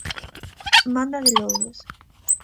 Manda de lobos.